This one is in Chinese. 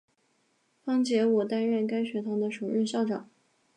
方解吾担任该学堂的首任校长。